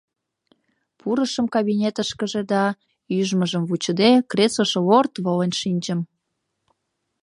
— Пурышым кабинетышкыже да, ӱжмыжым вучыде, креслыш лорт волен шинчым.